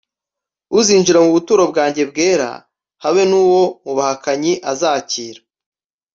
uuzinjira mu buturo bwanjye bwera habe n’uwo mu bahakanyi azakira